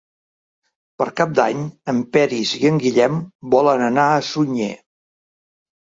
Per Cap d'Any en Peris i en Guillem volen anar a Sunyer.